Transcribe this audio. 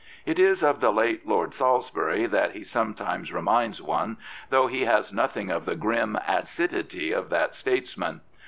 It is of the late Lord Salisbury that he sometimes re minds one, though he has nothing of the grim acidity of that statesman.